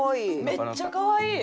めっちゃかわいい！